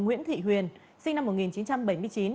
nguyễn thị huyền sinh năm một nghìn chín trăm bảy mươi chín